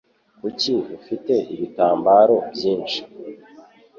Kuki ufite ibitambaro byinshi?